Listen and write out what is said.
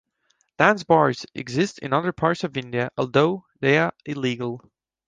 Dance bars exist in other parts of India, although they are illegal.